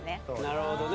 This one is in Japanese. なるほどね